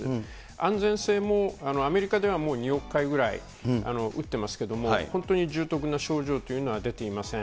安全性も、アメリカではもう２億回ぐらい打ってますけれども、本当に重篤な症状というのは出ていません。